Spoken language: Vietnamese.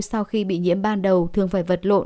sau khi bị nhiễm ban đầu thường phải vật lộn